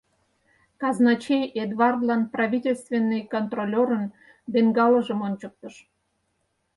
Казначей Эдвардлан правительственный контролёрын бенгаложым ончыктыш.